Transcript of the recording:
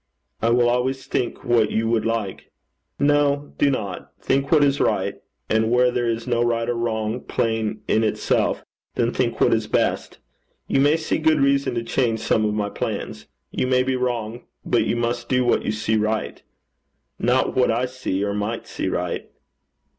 'I will always think what you would like.' 'No; do not. Think what is right; and where there is no right or wrong plain in itself, then think what is best. You may see good reason to change some of my plans. You may be wrong; but you must do what you see right not what I see or might see right.'